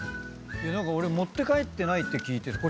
俺持って帰ってないって聞いて。